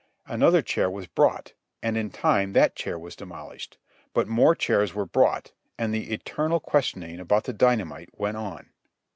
Another chair was brought, and in time that chair was demolished. But more chairs were brought, and the eternal questioning about the dynamite went on.